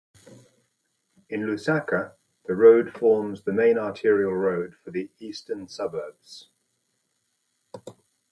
In Lusaka the road forms the main arterial road for the eastern suburbs.